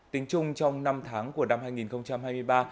tính chung trong năm tháng của năm hai nghìn hai mươi ba